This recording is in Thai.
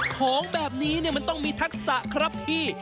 ของแบบนี้มันต้องมีทักษะครับพี่